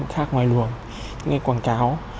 khác ngoài luồng những cái quảng cáo